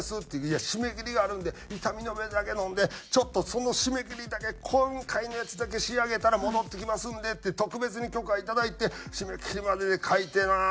「いや締め切りがあるんで痛み止めだけ飲んでちょっとその締め切りだけ今回のやつだけ仕上げたら戻ってきますんで」って特別に許可いただいて「締め切りまでに描いてな。